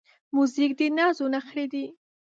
موزیک د نازو نخری دی.